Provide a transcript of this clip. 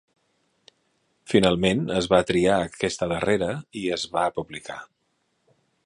Finalment es va triar aquesta darrera i es va publicar.